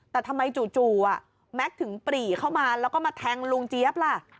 แต่ทำไมจู่แม็กซ์ถึงปรีเข้ามาแล้วก็มาแทงลุงเจี๊ยบล่ะ